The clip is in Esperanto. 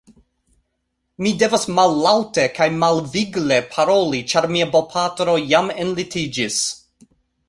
Mi devas mallaŭte kaj malvigle paroli ĉar mia bopatro jam enlitiĝis!